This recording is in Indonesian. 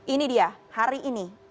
ini dia hari ini